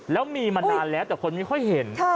แล้วมีมานานแล้วแต่คนไม่ค่อยเห็น